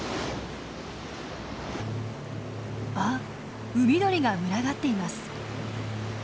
あっ海鳥が群がっています。